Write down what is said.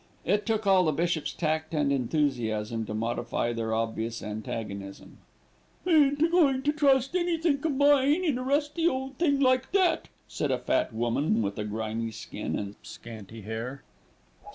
It took all the bishop's tact and enthusiasm to modify their obvious antagonism. "I ain't a goin' to trust anythink o' mine in a rusty old thing like that," said a fat woman with a grimy skin and scanty hair.